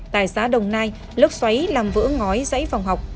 tại xã đồng nai lốc xoáy làm vỡ ngói dãy phòng học